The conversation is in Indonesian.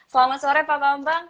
selamat sore pak bambang